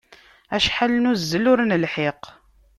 Acḥal nuzzel, ur nelḥiq!